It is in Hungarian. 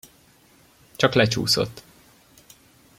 Csak lecsúszott.